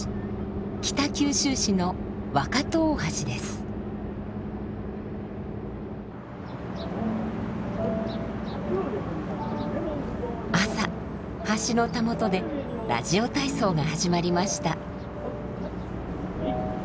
北九州市の朝橋のたもとでラジオ体操が始まりました。